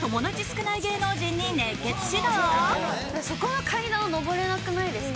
そこは階段を上れなくないですか？